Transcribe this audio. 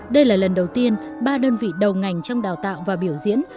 đây là lần đầu tiên ba đơn vị đầu ngành trong đào tạo và biểu diễn